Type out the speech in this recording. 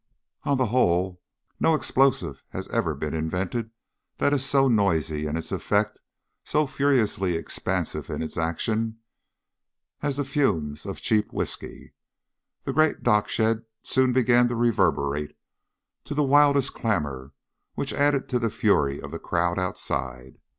On the whole, no explosive has ever been invented that is so noisy in its effect, so furiously expansive in its action, as the fumes of cheap whiskey. The great dock shed soon began to reverberate to the wildest clamor, which added to the fury of the crowd outside.